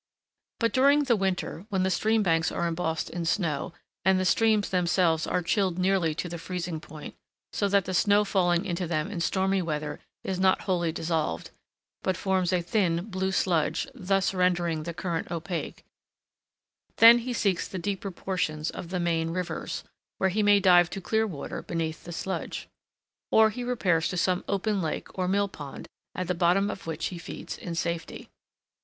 But during the winter, when the stream banks are embossed in snow, and the streams themselves are chilled nearly to the freezing point, so that the snow falling into them in stormy weather is not wholly dissolved, but forms a thin, blue sludge, thus rendering the current opaque—then he seeks the deeper portions of the main rivers, where he may dive to clear water beneath the sludge. Or he repairs to some open lake or mill pond, at the bottom of which he feeds in safety.